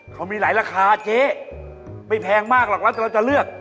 เขามีหลายราคาเจ๊ไม่แพงมากหรอกว่าเราจะเลือก